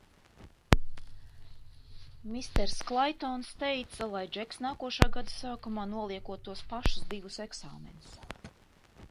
Misters Klaitons teica, lai Džeks nākošā gada sākumā noliekot tos pašus divus eksāmenus.